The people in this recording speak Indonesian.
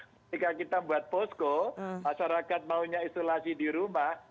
ketika kita buat posko masyarakat maunya isolasi di rumah